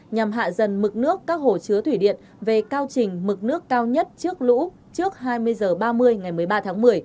nhằm hạ dần mực nước các hồ chứa thủy điện về cao trình mực nước cao nhất trước lũ trước hai mươi h ba mươi ngày một mươi ba tháng một mươi